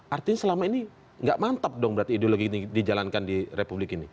artinya selama ini nggak mantap dong berarti ideologi ini dijalankan di republik ini